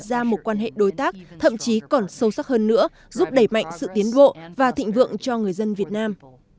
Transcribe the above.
chắc chắn sẽ mở ra một quan hệ đối tác thậm chí còn sâu sắc hơn nữa giúp đẩy mạnh sự tiến bộ và thịnh vượng cho người dân việt nam